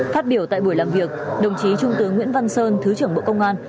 phát biểu tại buổi làm việc đồng chí trung tướng nguyễn văn sơn thứ trưởng bộ công an